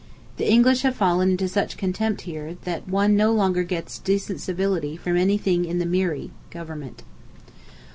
The English have fallen into such contempt here that one no longer gets decent civility from anything in the Miri (Government).